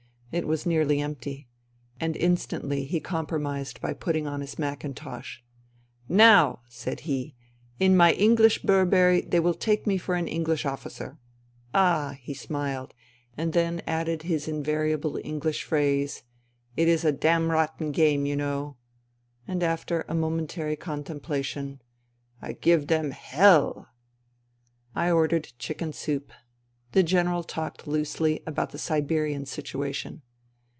It was nearly empty. And instantly he compromised by putting on his mackintosh. " Now," said he, " in my English Burberry they will take me for an English officer. Ah !'* he smiled, and then added his invari able Enghsh phrase :" It is a damrotten game, you know." And, after a momentary contemplation :" I give dem h h hell !" I ordered chicken soup. The General talked loosely about the Siberian situation.